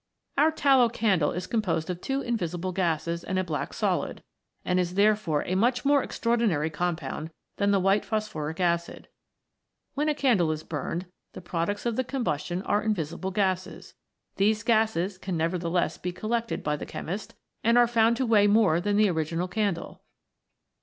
Our tallow candle is composed of two invisible eases and a black solid, and is therefore a much o ' more extraordinary compound than the white phos phoric acid. When a caudle is burned, the products of the combustion are invisible gases ; these gases can nevertheless be collected by the chemist, and are found to weigh more than the original candle.